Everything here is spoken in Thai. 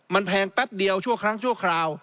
มันแพงแป๊บเดียวชั่วครั้งชั่วคราว